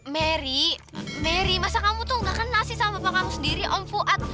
mary mary masa kamu tuh gak kenal sih sama papa kamu sendiri om fuad